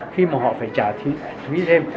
khi mà họ phải trả phí thêm